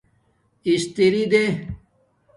اِستری دے